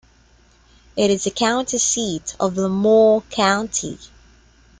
It is the county seat of LaMoure County.